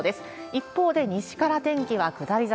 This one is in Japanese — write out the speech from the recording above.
一方で、西から天気は下り坂。